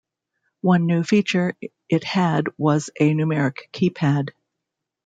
One new feature it had was a numeric keypad.